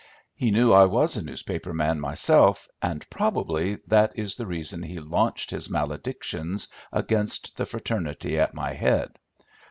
He knew I was a newspaper man myself, and probably that is the reason he launched his maledictions against the fraternity at my head.